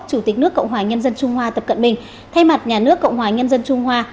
chủ tịch nước cộng hòa nhân dân trung hoa tập cận bình thay mặt nhà nước cộng hòa nhân dân trung hoa